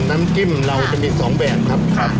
น้ำจิ้มเราจะมี๒แบบครับ